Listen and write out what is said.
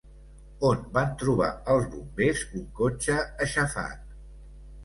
On van trobar els bombers un cotxe aixafat?